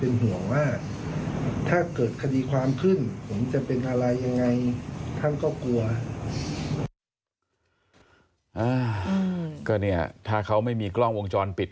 เนี่ยถ้าเขาไม่มีกล้องวงจรปิด